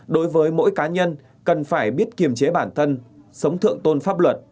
đối với mỗi cá nhân cần phải biết kiềm chế bản thân sống thượng tôn pháp luật